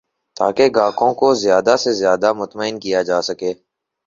تاکہ گاہکوں کو زیادہ سے زیادہ مطمئن کیا جا سکے